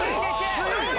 強い！